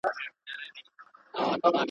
په خپل ژوند یې دومره شته نه وه لیدلي !.